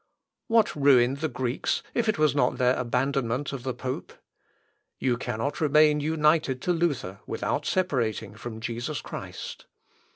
What ruined the Greeks if it was not their abandonment of the pope? You cannot remain united to Luther without separating from Jesus Christ.